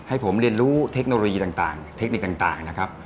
ให้ผมเรียนรู้เทคโนโลยีต่างเทคนิคต่างนะครับ